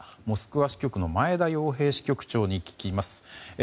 モスクワ支局の前田洋平支局長に聞きます。